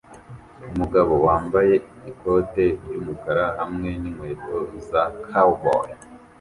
Umugabo wambaye ikote ryumukara hamwe ninkweto za cowboy